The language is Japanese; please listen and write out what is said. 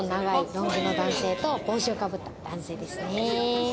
ロン毛の男性と帽子をかぶった男性ですね。